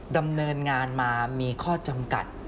ดำเนินงานมามีข้อจำกัด